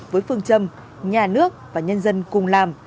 với phương châm nhà nước và nhân dân cùng làm